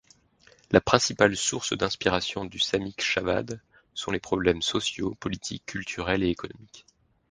La principale source d'inspiration du Samikshavad sont les problèmes sociaux, politiques, culturels et économiques.